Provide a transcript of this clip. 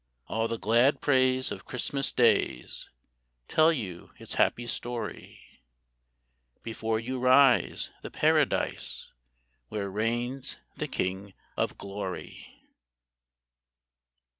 All the glad praise of Christmas days Tell you its happy story ! Before you rise the Paradise Where reigns the King of Glory